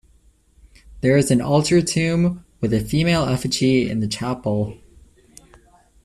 There is an altar-tomb with a female effigy in the chapel.